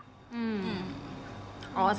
แต่ผลการเรียนก็ตอบตรงไป